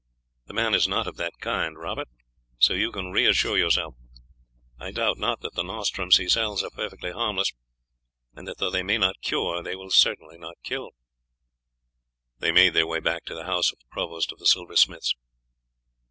"The man is not of that kind, Robert, so you can reassure yourself. I doubt not that the nostrums he sells are perfectly harmless, and that though they may not cure they will certainly not kill." They made their way back to the house of the provost of the silversmiths.